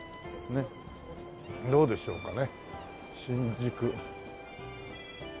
どうでしょうかね新宿。